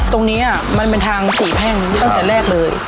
ตรงนี้มันเป็นทางสี่แพ่งตั้งแต่แรกเลย